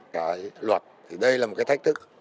cái luật thì đây là một cái thách thức